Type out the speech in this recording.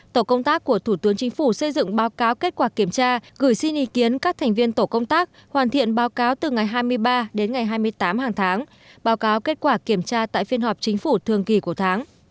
tổ công tác của thủ tướng chính phủ xây dựng báo cáo kết quả kiểm tra gửi xin ý kiến các thành viên tổ công tác hoàn thiện báo cáo từ ngày hai mươi ba đến ngày hai mươi tám hàng tháng báo cáo kết quả kiểm tra tại phiên họp chính phủ thường kỳ của tháng